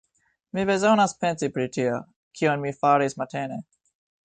Mi bezonas pensi pri tio, kion mi faris matene.